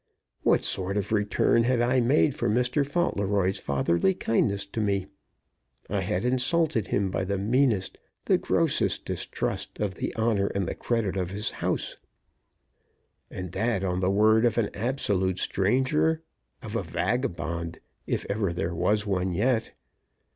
What sort of return had I made for Mr. Fauntleroy's fatherly kindness to me? I had insulted him by the meanest, the grossest distrust of the honor and the credit of his house, and that on the word of an absolute stranger, of a vagabond, if ever there was one yet.